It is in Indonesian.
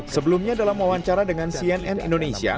sebelumnya dalam wawancara dengan cnn indonesia